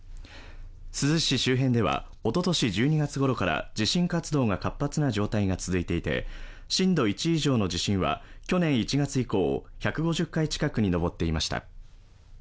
珠洲市周辺ではおととし１２月ごろから地震活動が活発な状態が続いていて、震度１以上の地震は去年１月以降、１５０回近くに上っていました。